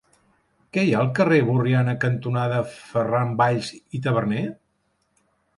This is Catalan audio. Què hi ha al carrer Borriana cantonada Ferran Valls i Taberner?